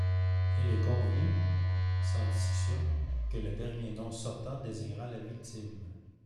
Il est convenu, sans discussion, que le dernier nom sortant désignera la victime.